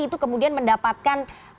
itu kemudian mendapatkan